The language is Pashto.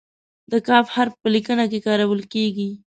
د "ک" حرف په لیکنه کې کارول کیږي.